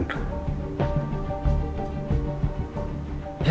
itu bukan bentuk dari kelalaian